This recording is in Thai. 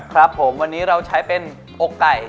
ครับผมวันนี้เราใช้เป็นอกไก่